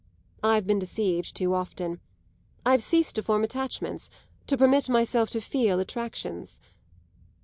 I've been deceived too often; I've ceased to form attachments, to permit myself to feel attractions.